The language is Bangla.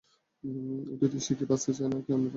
আদিতি, সে কি বাঁচতে চায় নাকি আমি তাকে ভাসিয়ে দেব?